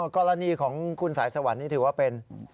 กรณีของคุณสายสวรรค์นี่ถือว่าเป็น